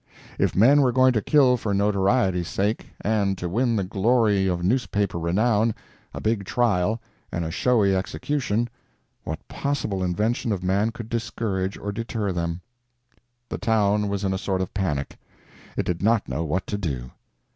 If men were going to kill for notoriety's sake, and to win the glory of newspaper renown, a big trial, and a showy execution, what possible invention of man could discourage or deter them? The town was in a sort of panic; it did not know what to do.